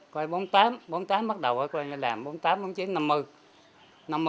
coi bốn mươi tám bốn mươi tám bắt đầu làm bốn mươi tám bốn mươi chín năm mươi